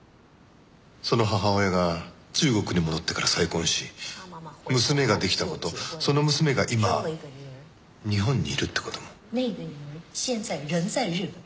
その母親が中国に戻ってから再婚し娘が出来た事その娘が今日本にいるって事も。